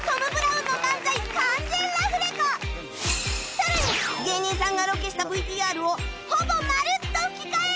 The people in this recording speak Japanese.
さらに芸人さんがロケした ＶＴＲ をほぼまるっと吹き替え！